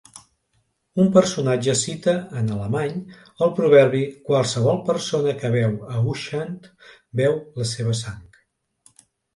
Un personatge cita en alemany el proverbi "Qualsevol persona que veu a Ushant veu la seva sang".